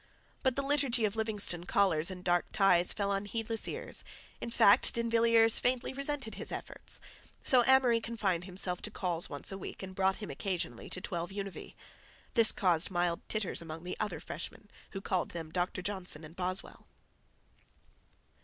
But the liturgy of Livingstone collars and dark ties fell on heedless ears; in fact D'Invilliers faintly resented his efforts; so Amory confined himself to calls once a week, and brought him occasionally to 12 Univee. This caused mild titters among the other freshmen, who called them "Doctor Johnson and Boswell."